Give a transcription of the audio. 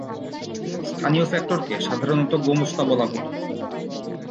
স্থানীয় ফ্যাক্টরকে সাধারণত গোমস্তা বলা হতো।